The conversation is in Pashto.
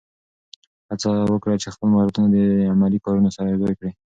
هڅه وکړه چې خپل مهارتونه د عملي کارونو سره یوځای کړې.